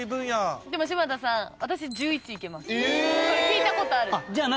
聞いたことある。